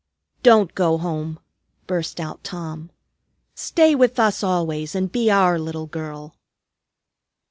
"Don't go home!" burst out Tom. "Stay with us always and be our little girl."